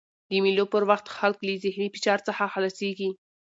د مېلو پر وخت خلک له ذهني فشار څخه خلاصيږي.